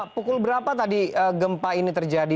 pukul berapa tadi gempa ini terjadi